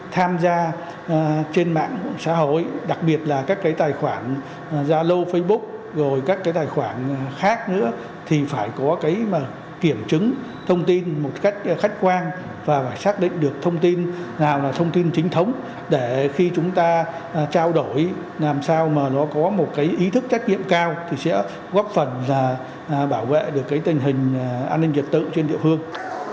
tham gia trên mạng xã hội đặc biệt là các cái tài khoản gia lô facebook rồi các cái tài khoản khác nữa thì phải có cái kiểm chứng thông tin một cách khách quan và phải xác định được thông tin nào là thông tin chính thống để khi chúng ta trao đổi làm sao mà nó có một cái ý thức trách nhiệm cao thì sẽ góp phần và bảo vệ được cái tình hình an ninh diệt tự trên địa phương